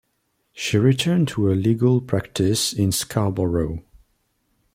She returned to her legal practice in Scarborough.